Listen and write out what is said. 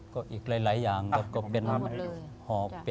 ก็อีกหลายอย่างก็เป็นหอบ